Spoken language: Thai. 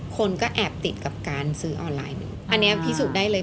คนก็แอบติดกับการซื้อออนไลน์หนึ่งอันนี้พิสูจน์ได้เลย